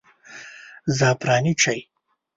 زعفراني چای